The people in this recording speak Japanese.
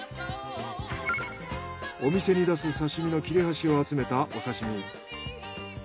お店に出す刺身の切れ端を集めたお刺身。